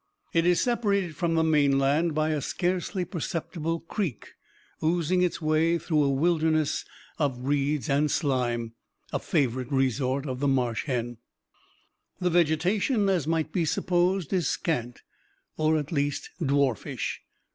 It is separated from the mainland by a scarcely perceptible creek, oozing its way through a wilderness of reeds and slime, a favorite resort of the marsh hen. The vegetation, as might be supposed, is scant, or at least dwarfish.